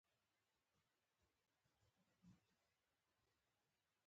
هم یې د فارسي خط میرزا وو.